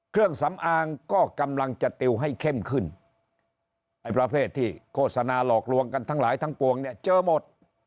เครื่องสำอางก็กำลังจะติวให้เข้มขึ้นไอ้ประเภทที่โฆษณาหลอกลวงกันทั้งหลายทั้งปวงเนี่ยเจอหมด